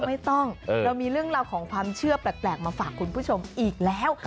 ไม่ต้องเรามีเรื่องราวของความเชื่อแปลกมาฝากคุณผู้ชมอีกแล้ว